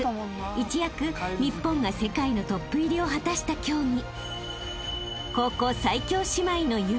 ［一躍日本が世界のトップ入りを果たした競技］